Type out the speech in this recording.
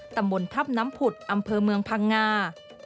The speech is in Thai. ตำบลทัพน้ำผุดอำเภอเมืองพังงา